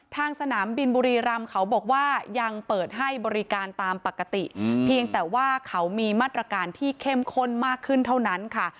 สนามบินบุรีรำเขาบอกว่ายังเปิดให้บริการตามปกติเพียงแต่ว่าเขามีมาตรการที่เข้มข้นมากขึ้นเท่านั้นค่ะ